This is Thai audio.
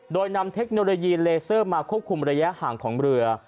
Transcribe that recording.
โดยนำเทคโนโลยีเลเซอร์มาควบคุมระยะห่างของเรือ